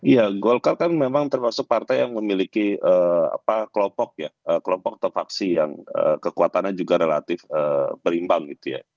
ya gokar kan memang termasuk partai yang memiliki kelompok atau faksi yang kekuatannya juga relatif berimbang